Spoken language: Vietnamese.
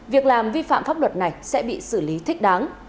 việc làm vi phạm pháp luật này sẽ bị xử lý thích đáng